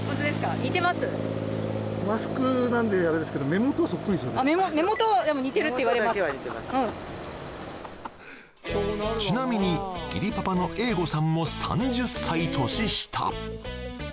マスクなんであれですけどちなみに義理パパの栄護さんも３０歳年下